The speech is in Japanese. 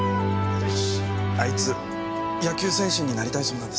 あいつ野球選手になりたいそうなんです。